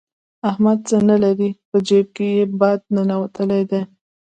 احمد څه نه لري؛ په جېب کې يې باد ننوتلی دی.